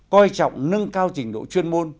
coi trọng nâng cao trình độ chuyên môn